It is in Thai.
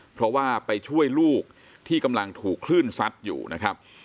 เพราะว่าไปช่วยลูกที่กำลังถูกคลื่นซัดอยู่นะครับ